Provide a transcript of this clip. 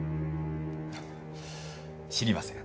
知りません。